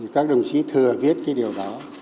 các đồng chí thừa viết cái điều đó